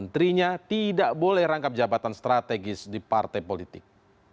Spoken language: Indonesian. menterinya tidak boleh rangkap jabatan strategis di partai politik